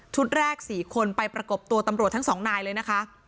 แรก๔คนไปประกบตัวตำรวจทั้งสองนายเลยนะคะ